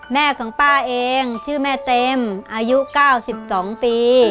แม่ของป้าเองชื่อแม่เต็มอายุ๙๒ปี